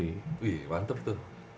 wih mantep tuh